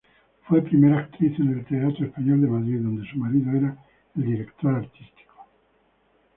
Fue primera actriz del Teatro Español de Madrid, donde su marido era director artístico.